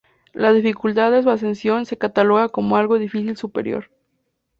La dificultad de su ascensión se cataloga como Algo difícil superior.